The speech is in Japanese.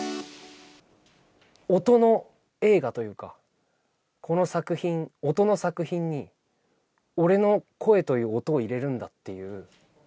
音の映画というか、この作品、音の作品に、俺の声という音を入れるんだっていう。